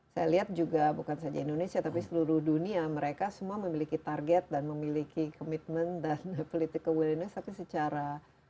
saya lihat juga bukan saja indonesia tapi seluruh dunia mereka semua memiliki target dan memiliki komitmen dan political willingness tapi secara